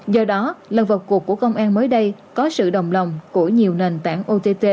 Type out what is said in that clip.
do đó lần vào cuộc của công an mới đây có sự đồng lòng của nhiều nền tảng ott